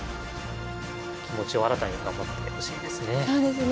気持ちを新たに頑張ってほしいですね。